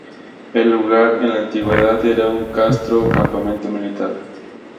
El lugar, en la antigüedad, era un castro o campamento militar.